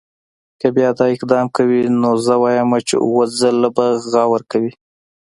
که بیا دا اقدام کوي نو زه وایم چې اووه ځله به غور کوي.